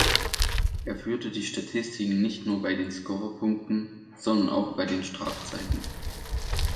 Er führte die Statistiken nicht nur bei den Scorerpunkten, sondern auch bei den Strafzeiten.